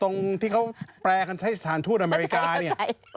ตรงที่เขาแปรกันทหารทูตอเมริกานี่